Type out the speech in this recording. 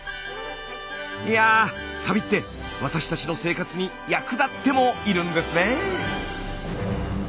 いやサビって私たちの生活に役立ってもいるんですね。